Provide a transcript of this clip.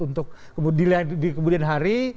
untuk di kemudian hari